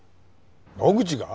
野口が？